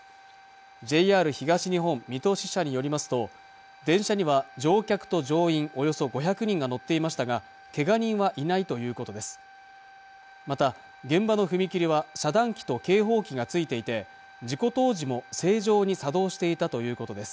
ＪＲ東日本水戸支社によりますと電車には乗客と乗員およそ５００人が乗っていましたがけが人はいないということです